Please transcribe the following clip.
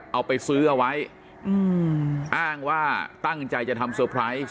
เอาไปซื้อเอาไว้อืมอ้างว่าตั้งใจจะทำ